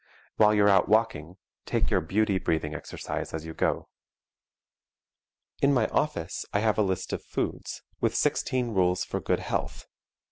While you're out walking, take your beauty breathing exercise as you go. In my office I have a list of foods, with sixteen rules for good health.